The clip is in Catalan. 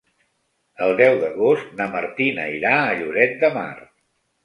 El deu d'agost na Martina irà a Lloret de Mar.